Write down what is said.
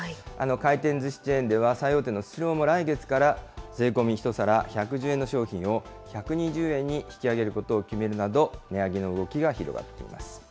回転ずしチェーンでは、最大手のスシローも来月から税込み１皿１１０円の商品を１２０円に引き上げることを決めるなど、値上げの動きが広がっています。